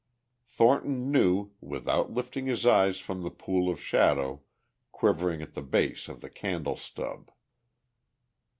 Thornton knew, without lifting his eyes from the pool of shadow quivering at the base of the candle stub.